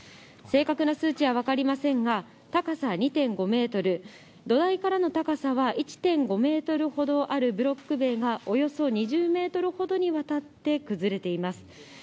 正確な数値は分かりませんが、高さ２．５メートル、土台からの高さは１．５メートルほどあるブロック塀が、およそ２０メートルほどにわたって崩れています。